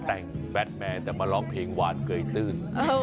แต่งแบทแมนแต่มาร้องเพลงหวานเกยตื้น